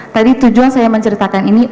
tadi tujuan saya menceritakan ini